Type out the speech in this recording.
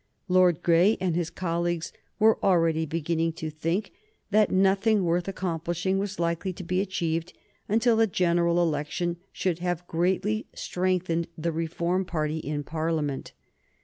Lord Grey and his colleagues were already beginning to think that nothing worth accomplishing was likely to be achieved until a general election should have greatly strengthened the Reform party in Parliament.